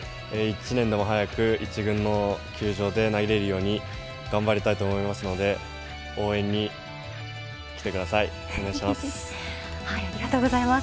１年でも早く一軍の球場で投げれるように頑張りたいと思いますので応援に来てくださいありがとうございます。